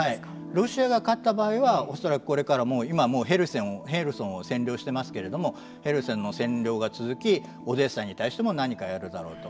ロシアが勝った場合は恐らくこれからも今もうヘルソンを占領してますけれどもヘルソンの占領が続きオデーサに対しても何かやるだろうと。